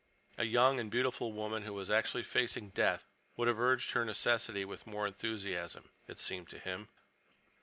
A young and beautiful woman who was actually facing death would have urged her necessity with more enthusiasm, it seemed to him.